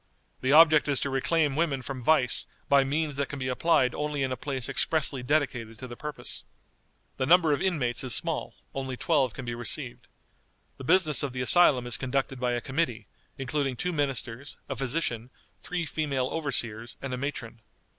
The object is to reclaim women from vice by means that can be applied only in a place expressly dedicated to the purpose. The number of inmates is small; only twelve can be received. The business of the asylum is conducted by a committee, including two ministers, a physician, three female overseers, and a matron.